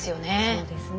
そうですね。